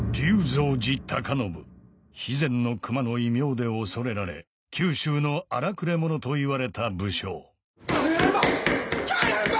「肥前の熊」の異名で恐れられ九州の荒くれ者といわれた武将大変だ！